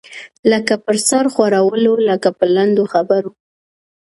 لکه په سر ښورولو، لکه په لنډو خبرو.